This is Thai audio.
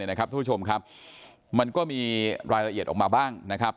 ทุกผู้ชมครับมันก็มีรายละเอียดออกมาบ้างนะครับ